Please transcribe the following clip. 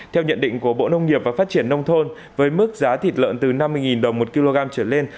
theo nhận định của bộ nông nghiệp và phát triển nông thôn với mức giá thịt lợn từ năm mươi đồng một kg trở lên